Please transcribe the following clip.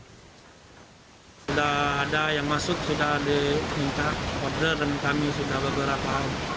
sudah ada yang masuk sudah diminta order dan kami sudah beberapa